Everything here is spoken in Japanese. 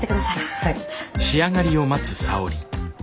はい。